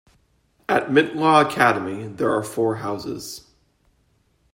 At Mintlaw Academy there are four houses.